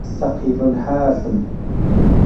ثقیل الهضم